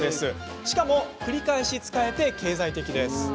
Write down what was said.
しかも、繰り返し使えて経済的！